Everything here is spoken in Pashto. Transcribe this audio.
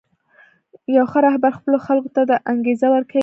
یو ښه رهبر خپلو خلکو ته دا انګېزه ورکوي.